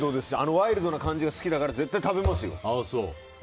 ワイルドな感じが好きだから絶対食べますよ。